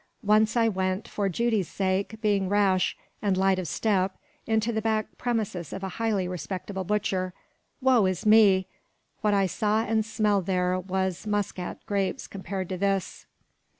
Once I went, for Judy's sake, being rash and light of step, into the back premises of a highly respectable butcher. Woe is me, what I saw and smelt there was Muscat grapes compared to this.